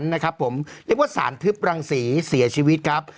เรียกว่าศาลถึกรังสีเสียชีวิตครับ